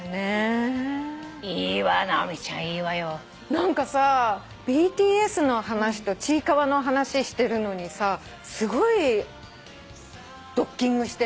何かさＢＴＳの話とちいかわの話してるのにさすごいドッキングしてるね会話がね。